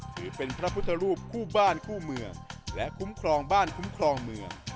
ถือเป็นพระพุทธรูปคู่บ้านคู่เมืองและคุ้มครองบ้านคุ้มครองเมือง